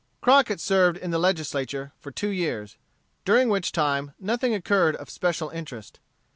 Crockett served in the Legislature for two years, during which time nothing occurred of special interest.